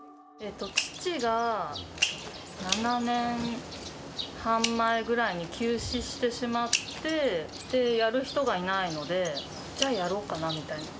父が７年半前ぐらいに急死してしまって、で、やる人がいないので、じゃあ、やろうかなみたいな。